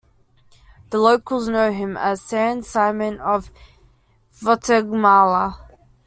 The locals know him as San Simon of Guatemala.